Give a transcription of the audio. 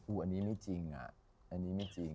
อันนี้ไม่จริงอ่ะอันนี้ไม่จริง